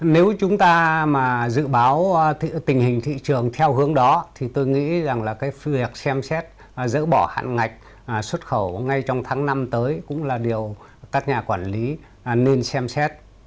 nếu chúng ta mà dự báo tình hình thị trường theo hướng đó thì tôi nghĩ rằng là cái phù hợp xem xét dỡ bỏ hạn ngạch xuất khẩu ngay trong tháng năm tới cũng là điều các nhà quản lý nên xem xét